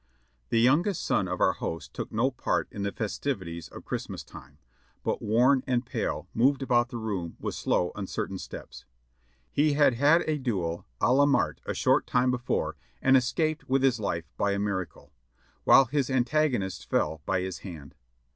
The youngest son of our host took no part in the festivities of Christmastime, but worn and pale moved about the room with slow, uncertain steps. He had had a duel a la mort a short time before and escaped with his life by a miracle, while his antag onist fell by his hand.